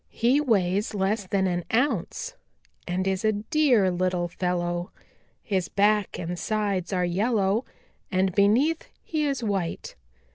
He weighs less than an ounce and is a dear little fellow. His back and sides are yellow, and beneath he is white.